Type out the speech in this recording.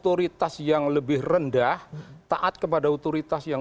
otoritas yang lebih rendah yang lebih rendah yang lebih rendah yang lebih rendah yang lebih rendah yang